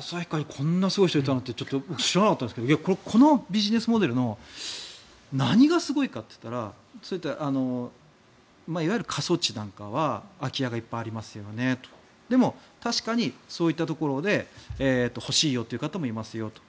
旭川にこんなすごい人がいたんだって僕、知らなかったんですけどこのビジネスモデルの何がすごいかっていったらいわゆる過疎地なんかは空き家がいっぱいありますよねとでも、確かにそういったところで欲しいよという方もいますよと。